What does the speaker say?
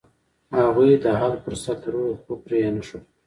هغوی د حل فرصت لرلو، خو پرې یې نښود.